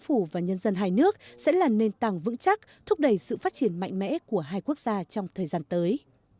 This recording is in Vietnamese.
hàn quốc sẽ là nền tảng vững chắc thúc đẩy sự phát triển mạnh mẽ của hai quốc gia trong thời gian tới